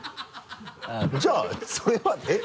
じゃあそれはえっ？